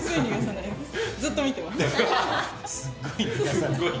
ずっと見てます。